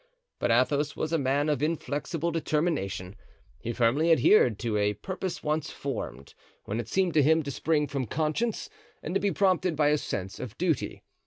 But Athos was a man of inflexible determination; he firmly adhered to a purpose once formed, when it seemed to him to spring from conscience and to be prompted by a sense of duty.